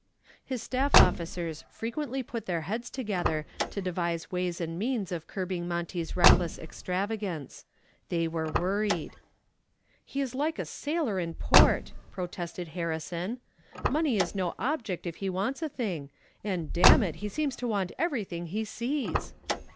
His staff officers frequently put their heads together to devise ways and means of curbing Monty's reckless extravagance. They were worried. "He's like a sailor in port," protested Harrison. "Money is no object if he wants a thing, and damn it he seems to want everything he sees."